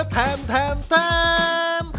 แทมน์แทมน์